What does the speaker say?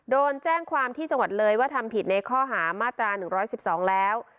โดนแจ้งความที่จังหวัดเลยว่าทำผิดในข้อหามาตรา๑๑๒แล้ว